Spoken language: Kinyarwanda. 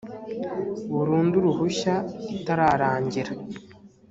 burundu uruhushya itararangira